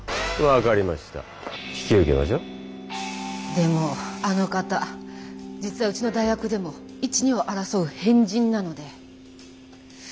でもあの方実はうちの大学でも一二を争う変人なので。